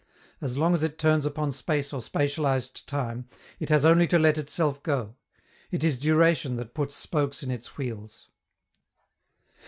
As long as it turns upon space or spatialized time, it has only to let itself go. It is duration that puts spokes in its wheels.